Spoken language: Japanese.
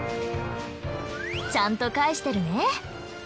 ちゃんと返してるね。